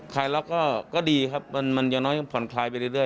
คลายแล้วก็ดีครับมันยังน้อยผ่อนคลายไปเรื่อย